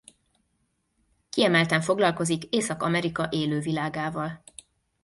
Kiemelten foglalkozik Észak-Amerika élővilágával.